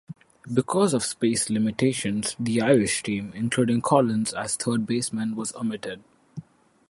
Because of space limitations the Irish team, including Collins as third baseman, was omitted.